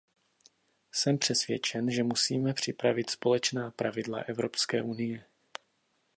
Jsem přesvědčen, že musíme připravit společná pravidla Evropské unie.